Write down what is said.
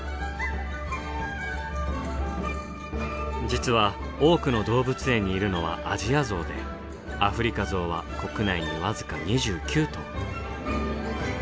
実は多くの動物園にいるのはアジアゾウでアフリカゾウは国内に僅か２９頭。